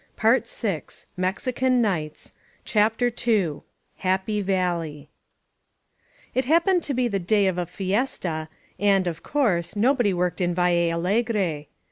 ••• S88 HAPPY VALLEY CHAPTER II HAPPY VALLEY IT happened to be the day of a fiesta, and, of course, nobody worked in Valle Allegre.